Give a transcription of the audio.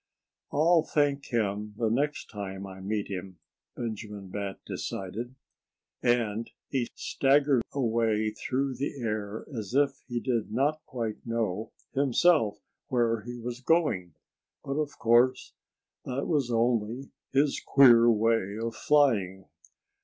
"I'll thank him the next time I meet him," Benjamin Bat decided. And he staggered away through the air as if he did not quite know, himself, where he was going. But, of course, that was only his queer way of flying.